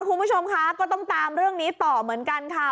คุณผู้ชมคะก็ต้องตามเรื่องนี้ต่อเหมือนกันค่ะ